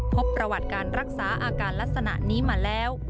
พบประวัติการรักษาอาการลักษณะนี้มาแล้ว